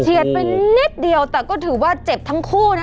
ไปนิดเดียวแต่ก็ถือว่าเจ็บทั้งคู่นะ